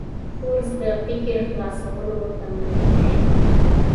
کورس د فکر خلاصولو تمرین دی.